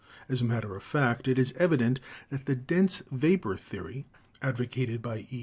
As a matter of fact, it is evident that the "dense vapor'' theory advocated by E.